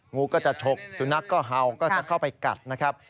งูก็จะฉกสุนัขก็เห่าก็จะเข้าไปกัดนะครับ